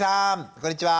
こんにちは。